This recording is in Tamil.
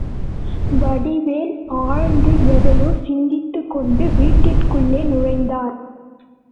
வடிவேல் ஆழ்ந்து எதையோ சிந்தித்துக்கொண்டு வீட்டிற்குள்ளே நுழைந்தார்.